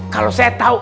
kalau saya tahu